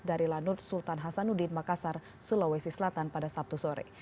dari lanut sultan hasanuddin makassar sulawesi selatan pada sabtu sore